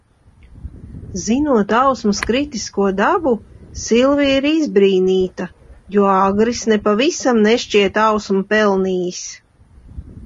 Zinot Ausmas kritisko dabu, Silvija ir izbrīnīta, jo Agris nepavisam nešķiet Ausmu pelnījis.